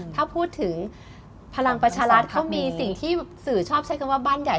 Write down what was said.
ถ้าพูดถึงพลังประชารัฐก็มีสิ่งที่สื่อชอบใช้คำว่าบ้านใหญ่